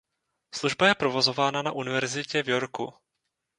Služba je provozována na univerzitě v Yorku.